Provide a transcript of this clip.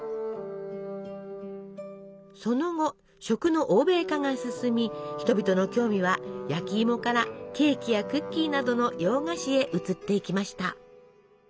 その後食の欧米化が進み人々の興味は焼きいもからケーキやクッキーなどの洋菓子へ移っていきました。